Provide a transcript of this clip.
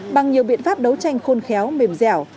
bằng nhiều biện pháp đấu tranh khôn khéo mềm dẻo